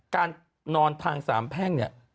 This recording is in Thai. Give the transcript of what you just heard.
การนอนทางสามแพ่งเนี่ย